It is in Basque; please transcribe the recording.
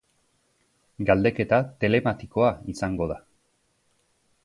Galdeketa telematikoa izango da.